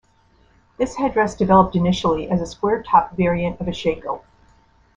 This headdress developed initially as a square-topped variant of a shako.